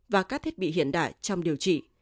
và các thiết bị hiện đại trong điều trị